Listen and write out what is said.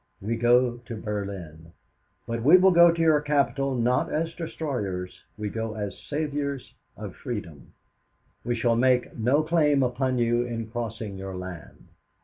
We go to Berlin. But we go to your capital not as destroyers; we go as saviors of freedom. "'"We shall make no claim upon you in crossing your land.